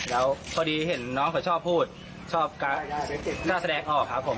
แล้วพอดีเห็นน้องเขาชอบพูดชอบน่าแสดงออกครับผม